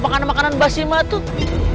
makanan makanan basi mah atuh